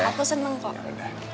aku seneng kok